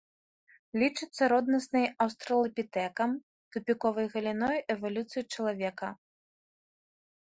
Лічацца роднаснай аўстралапітэкам тупіковай галіной эвалюцыі чалавека.